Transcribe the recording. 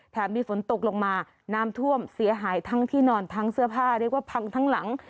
มีฝนตกลงมาน้ำท่วมเสียหายทั้งที่นอนทั้งเสื้อผ้าเรียกว่าพังทั้งหลัง